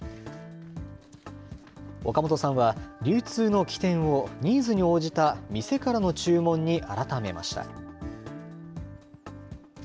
岡元さんは、流通の起点をニーズに応じた店からの注文に改めました。